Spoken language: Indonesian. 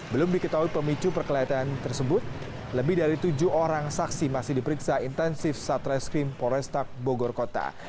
belum diketahui pemicu perkelahian tersebut lebih dari tujuh orang saksi masih diperiksa intensif satreskrim porestak bogor kota